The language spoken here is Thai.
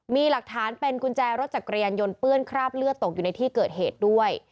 มีหลักฐานเป็นกุญแจรถจักรยานยนต์เปื้อนคราบเลือดตกอยู่ในที่เกิดเหตุด้วย